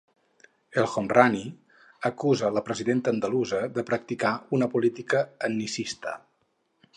El Homrani acusa la presidenta andalusa de practicar una política etnicista.